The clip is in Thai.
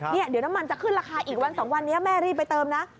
เดี๋ยวน้ำมันจะขึ้นราคาอีกวัน๒วันนี้แม่รีบไปเติมนะ